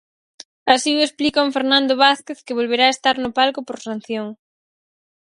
Así o explica un Fernando Vázquez que volverá estar no palco por sanción.